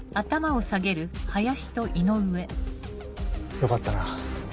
よかったな。